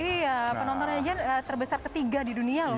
iya penontonnya aja terbesar ketiga di dunia lho pak